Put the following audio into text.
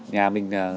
nhà mình là